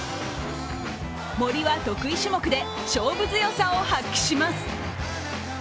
森は得意種目で勝負強さを発揮します。